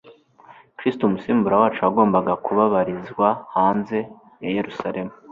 Kristo, umusimbura wacu, yagombagakubabarizwahanze ya Yerusalemu.